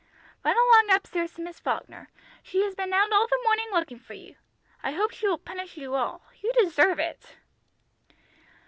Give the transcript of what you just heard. "Run along up stairs to Miss Falkner. She has been out all the morning looking for you. I hope she will punish you all. You deserve it."